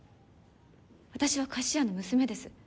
私は菓子屋の娘です。